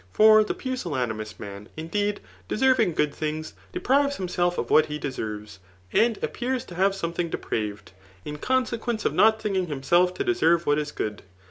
For the pusillanimous man, indeed, deserv* ing good things, dq>rives himself of what he deserves; and appears to have something depraved, in consequence of not thinking himself to deserve what is good.